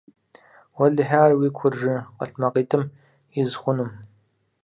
Уэлэхьи, ар уи куржы къэлътмакъитӀым из хъунум.